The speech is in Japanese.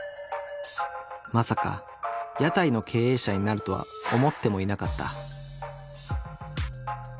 まさか屋台の経営者になるとは思ってもいなかった。